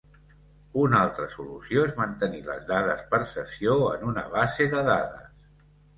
Una altra solució és mantenir les dades per sessió en una base de dades.